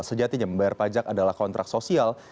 sejatinya membayar pajak adalah kontrak sosial